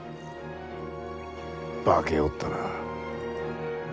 化けおったな。